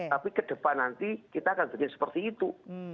tapi ke depan nanti kita akan jadi seperti itu